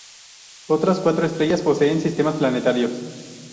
Otras cuatro estrellas poseen sistemas planetarios.